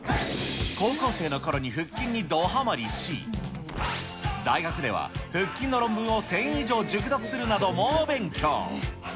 高校生のころに腹筋にドハマりし、大学では、腹筋の論文を１０００以上熟読するなど猛勉強。